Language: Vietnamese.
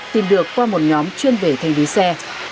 tìm được qua một nhóm chuyên về thanh lý xe